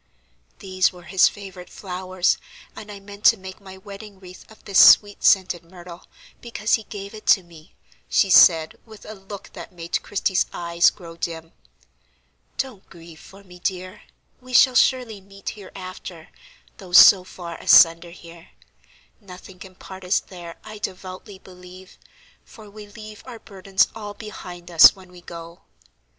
"These were his favorite flowers, and I meant to make my wedding wreath of this sweet scented myrtle, because he gave it to me," she said, with a look that made Christie's eyes grow dim. "Don't grieve for me, dear; we shall surely meet hereafter, though so far asunder here. Nothing can part us there, I devoutly believe; for we leave our burdens all behind us when we go."